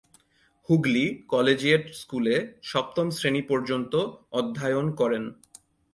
Hooghly collegiate স্কুলে সপ্তম শ্রেণী পর্যন্ত অধ্যায়ন করেন।